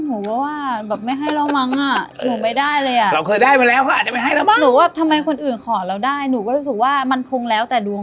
หนูก็ว่าแบบไม่ให้เรามั้งอะ